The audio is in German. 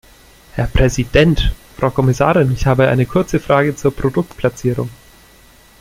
Herr Präsident! Frau Kommissarin, ich habe eine kurze Frage zur Produktplatzierung.